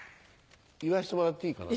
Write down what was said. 言わしてもらっていいかな？